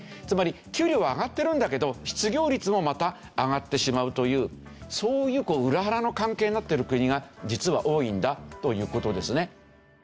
つまり給料は上がってるんだけど失業率もまた上がってしまうというそういう裏腹の関係になってる国が実は多いんだという事ですね。